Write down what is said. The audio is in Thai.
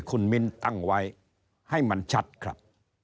คุณมิ้นตั้งไว้ให้มันชัดครับ